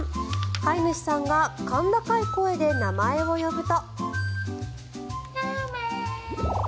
飼い主さんが甲高い声で名前を呼ぶと。